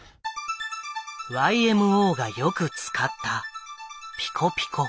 ＹＭＯがよく使ったピコピコ。